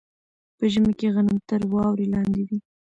په ژمي کې غنم تر واورې لاندې وي.